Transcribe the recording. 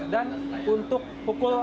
dan untuk pukul